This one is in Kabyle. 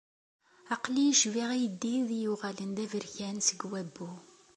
Aql-i cbiɣ ayeddid i uɣalen d aberkan seg wabbu.